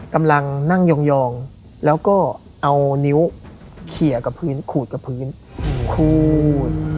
กำลังนั่งยองแล้วก็เอานิ้วเขียกับพื้นขูดกับพื้นคูด